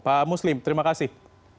pak muslim terima kasih